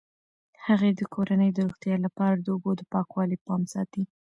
هغې د کورنۍ د روغتیا لپاره د اوبو د پاکوالي پام ساتي.